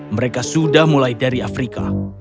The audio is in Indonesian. mereka sudah mulai dari afrika